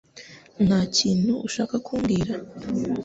Nta kintu ushaka kumbwira